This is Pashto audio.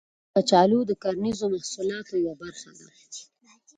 کچالو د کرنیزو محصولاتو یوه برخه ده